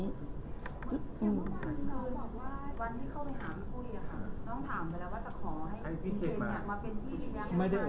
อย่าพูดกับน้องว่าวันที่เข้าไปหาพี่ปุ้ยน้องถามไปแล้วว่าจะขอให้พี่เป็นอย่างไร